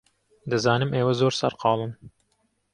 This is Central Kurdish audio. دەزانم ئێوە زۆر سەرقاڵن.